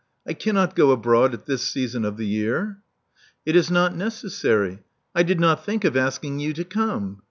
I cannot go abroad at this season of the year." It is not necessary. I did not think of asking you to come.